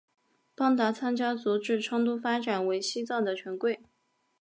邦达仓家族自昌都发展为西藏的权贵。